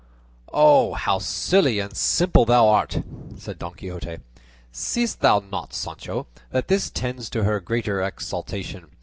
"O, how silly and simple thou art!" said Don Quixote; "seest thou not, Sancho, that this tends to her greater exaltation?